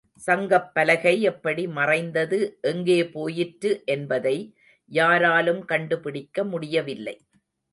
சங்கப் பலகை எப்படி மறைந்தது எங்கே போயிற்று என்பதை யாராலும் கண்டுபிடிக்க முடியவில்லை.